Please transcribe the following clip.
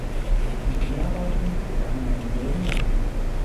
Die Dreharbeiten begannen noch im selben Jahr.